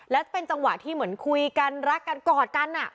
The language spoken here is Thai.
แล้วเป็นจังหวะที่เหมือนคุยกันรักกันกอดกัน